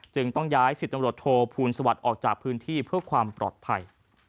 ต้องย้าย๑๐ตำรวจโทพูลสวัสดิ์ออกจากพื้นที่เพื่อความปลอดภัย